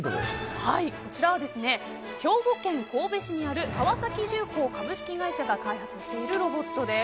こちらは、兵庫県神戸市にある川崎重工業株式会社が開発しているロボットです。